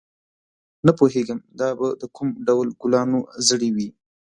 نه پوهېږم دا به د کوم ډول ګلانو زړي وي.